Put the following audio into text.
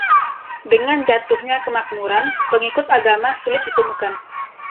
Dengan jatuhnya kemakmuran, pengikut agama sulit ditemukan.